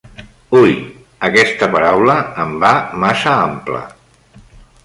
Ui, aquesta paraula em va massa ampla!